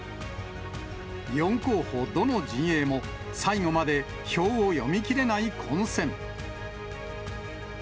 ４候補どの陣営も、最後まで票を読み切れない混戦。